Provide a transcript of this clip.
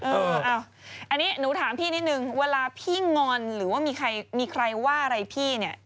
อันนี้หนูถามพี่นิดนึงเวลาพี่งอนหรือว่ามีใครมีใครว่าอะไรพี่เนี่ย